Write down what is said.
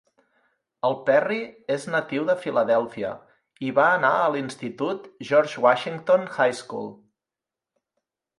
El Perry és natiu de Filadèlfia i va anar a l'institut George Washington High School.